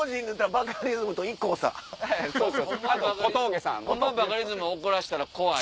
バカリズム怒らしたら怖い。